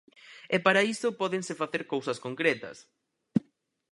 E para iso pódense facer cousas concretas.